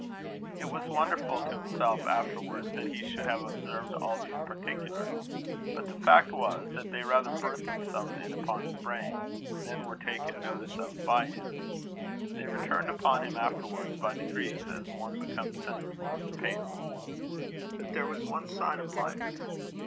It was wonderful to himself afterwards, that he should have observed all these particulars; but the fact was, that they rather burnt themselves in upon his brain, than were taken notice of by him. They returned upon him afterwards by degrees, as one becomes sensible of the pain of a wound. But there was one sign of life.